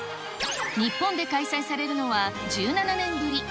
日本で開催されるのは１７年ぶり。